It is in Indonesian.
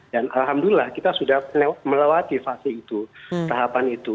dan alhamdulillah kita sudah melewati fase itu tahapan itu